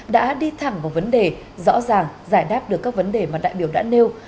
đã đi thẳng vào vấn đề rõ ràng giải đáp được các vấn đề mà đại biểu đã nêu